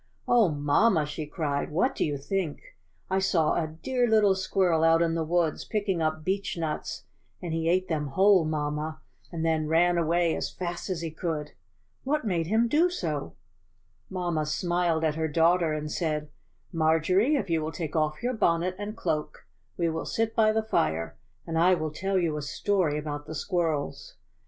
'^Oh, mamma!" she cried, "what do you think? I saw a dear little squirrel out in the woods picking up beechnuts, and he ate them whole, mamma, and then ran away as fast as he could. What made him do so?" Mamma smiled at her daughter, and said: "Marjorie, if you will take off your bonnet and cloak we will sit by the fire, and I will tell you a story about the squirrels."